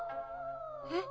え？